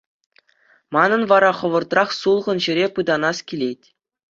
Манӑн вара хӑвӑртрах сулхӑн ҫӗре пытанас килет.